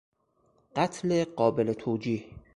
قتل قابل توجیه